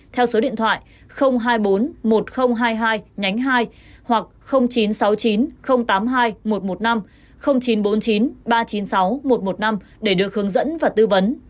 theo số điện thoại hai mươi bốn một nghìn hai mươi hai nhánh hai hoặc chín trăm sáu mươi chín tám mươi hai một trăm một mươi năm chín trăm bốn mươi chín ba trăm chín mươi sáu một trăm một mươi năm để được hướng dẫn và tư vấn